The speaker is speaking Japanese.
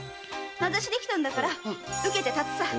名指しできたんだから受けて立つさ！